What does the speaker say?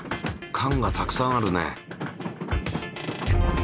かんがたくさんあるね。